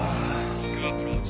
東京アプローチ。